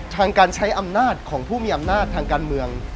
ทางการใช้อำนาจของผู้มีอำนาจทางการเมือง